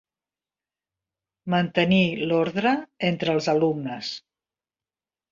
Mantenir l'ordre entre els alumnes.